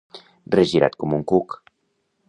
Regirat com un cuc.